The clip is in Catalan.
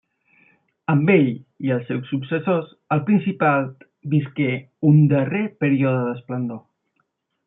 Amb ell i els seus successors el principat visqué un darrer període d'esplendor.